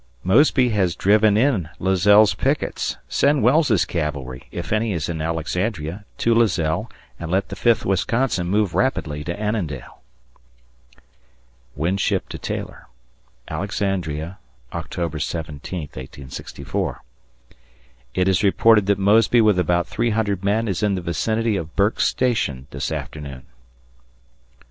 Mosby has driven in Lazelle's pickets. Send Wells' cavalry, if any is in Alexandria, to Lazelle and let the Fifth Wisconsin move rapidly to Annandale. [Winship to Taylor] Alexandria, October 17th, 1864, It is reported that Mosby with about 300 men is in the vicinity of Burke's station this afternoon.